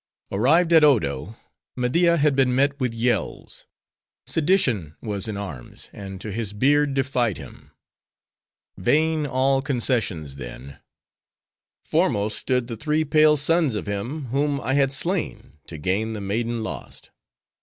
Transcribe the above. Arrived at Odo, Media had been met with yells. Sedition was in arms, and to his beard defied him. Vain all concessions then. Foremost stood the three pale sons of him, whom I had slain, to gain the maiden lost.